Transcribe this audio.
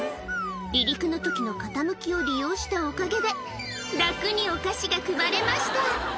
離陸のときの傾きを利用したおかげで、楽にお菓子が配れました。